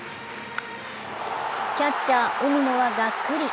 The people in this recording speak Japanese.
キャッチャー・海野はがっくり。